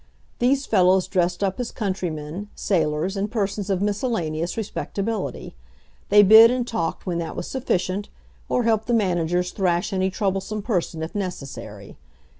These fellows dressed up as countrymen, sailors, and persons of miscellaneous respectability. They bid and talked when that was sufficient, or helped the managers thrash any troublesome person, if necessary.